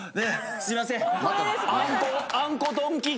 すいません。